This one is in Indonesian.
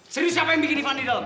serius siapa yang bikin ivan di dalam